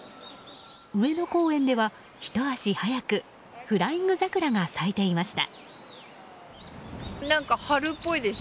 上野公園では、ひと足早くフライング桜が咲いていました。